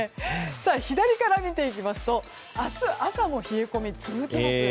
左から見ていきますと明日朝も冷え込みが続きます。